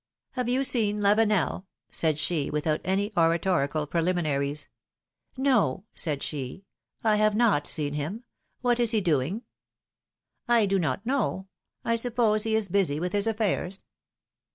^^Have you seen Lavenel?^^ said she, without any oratorical preliminaries. said she, have not seen him. What is he doing I do not know; I suppose he is busy with his affairs.